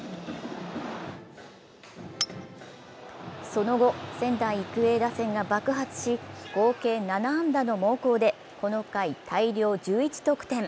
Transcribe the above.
その後、仙台育英打線が爆発し合計７安打の猛攻でこの回大量１１得点。